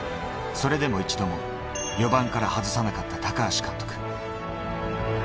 それでも一度も４番から外さなかった高橋監督。